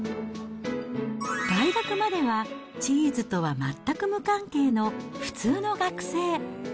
大学まではチーズとは全く無関係の普通の学生。